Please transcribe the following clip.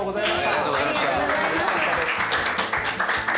ありがとうございます。